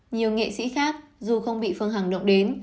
nhiều nghệ sĩ khác dù không bị phương hằng động đến